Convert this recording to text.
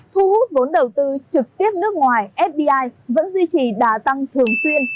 thu hút vốn đầu tư trực tiếp nước ngoài fdi vẫn duy trì đà tăng thường xuyên